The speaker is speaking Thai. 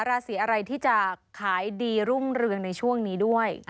ราศีอะไรที่จะขายดีรุ่งเรืองในช่วงนี้ด้วย